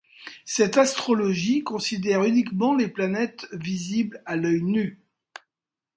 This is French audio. Cette astrologie considère uniquement les planètes visibles à l'oeil nu.